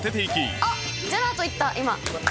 あっジェラートいった今。